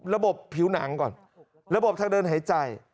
ผิวหนังก่อนระบบทางเดินหายใจ